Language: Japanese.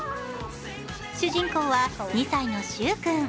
主人公は２歳のしゅう君。